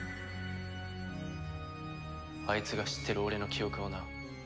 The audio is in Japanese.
あいつが知ってる俺の記憶をな。